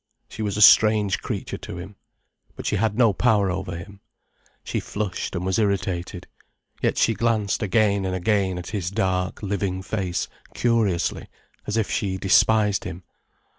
She was a strange creature to him. But she had no power over him. She flushed, and was irritated. Yet she glanced again and again at his dark, living face, curiously, as if she despised him.